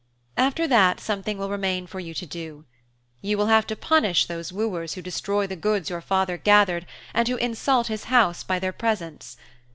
After that something will remain for you to do: You will have to punish those wooers who destroy the goods your father gathered and who insult his house by their presence.